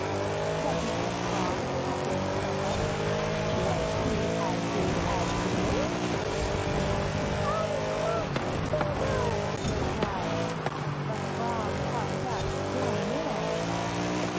said the old Frog, puffing herself up. "Was he as big as this?" "Oh, much bigger!" they cried. The Frog puffed up still more.